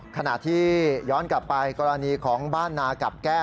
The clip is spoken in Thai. ขณะที่ย้อนกลับไปกรณีของบ้านนากับแก้